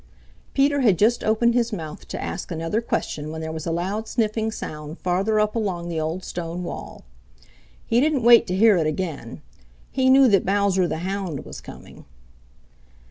Peter had just opened his mouth to ask another question when there was a loud sniffing sound farther up along the old stone wall. He didn't wait to hear it again. He knew that Bowser the Hound was coming.